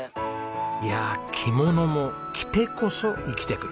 いやあ「着物も着てこそ生きてくる」。